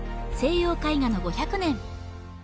西洋絵画の５００年